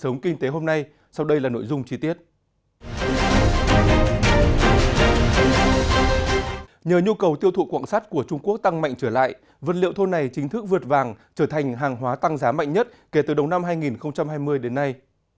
nhờ nhu cầu tiêu thụ quạng sắt của trung quốc tăng mạnh trở lại vật liệu thô này chính thức vượt vàng trở thành hàng hóa tăng giá mạnh nhất kể từ đầu năm hai nghìn hai mươi đến nay